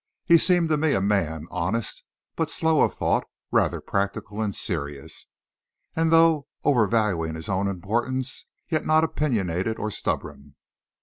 He seemed to me a man, honest, but slow of thought; rather practical and serious, and though overvaluing his own importance, yet not opinionated or stubborn.